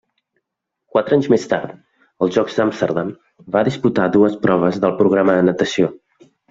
Quatre anys més tard, als Jocs d'Amsterdam, va disputar dues proves del programa de natació.